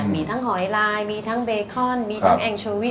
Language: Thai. มีทั้งหอยลายมีทั้งเบคอนมีทั้งแองชูวี่